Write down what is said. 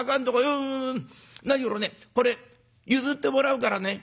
「うんうんうん何しろねこれ譲ってもらうからね。